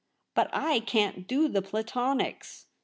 But / can't do the Platonics.